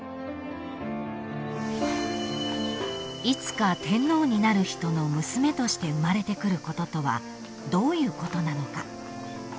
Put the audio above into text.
［いつか天皇になる人の娘として生まれてくることとはどういうことなのか］